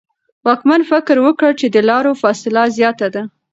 واکمن فکر وکړ چې د لارو فاصله زیاته ده.